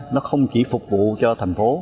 nó không chỉ phục vụ cho thành phố